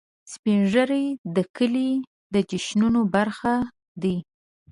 سپین ږیری د کلي د جشنونو برخه دي